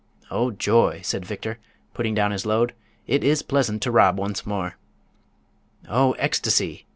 "Oh, joy!" said Victor, putting down his load; "it is pleasant to rob once more." "Oh, ecstacy!"